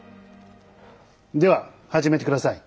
では始めて下さい！